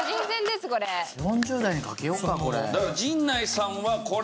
４０代にかけようかこれ。